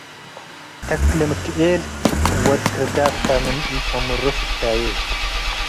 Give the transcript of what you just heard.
ተክልምክኤል ወድ ክርዳድ ተ ምን ኢተአምሮ ስምዬ